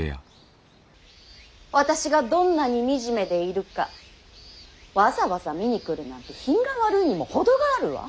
私がどんなに惨めでいるかわざわざ見に来るなんて品が悪いにも程があるわ。